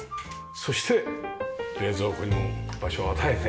そして冷蔵庫にも場所を与えて。